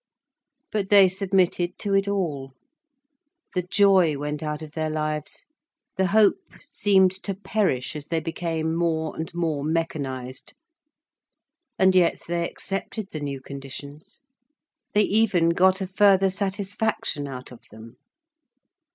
But they submitted to it all. The joy went out of their lives, the hope seemed to perish as they became more and more mechanised. And yet they accepted the new conditions. They even got a further satisfaction out of them.